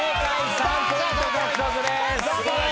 ３ポイント獲得です。